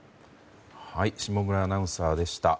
下村アナウンサーでした。